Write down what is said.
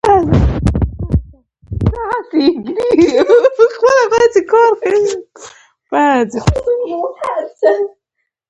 سوپرایلیویشن د فورمول په مرسته پیدا کیږي